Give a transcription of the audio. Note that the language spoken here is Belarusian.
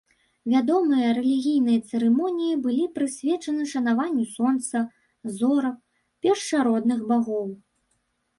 Вядомыя рэлігійныя цырымоніі былі прысвечаны шанаванню сонца, зорак, першародных багоў.